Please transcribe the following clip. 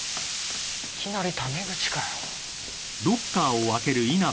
いきなりため口かよ。